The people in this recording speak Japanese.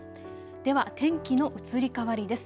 では天気の移り変わりです。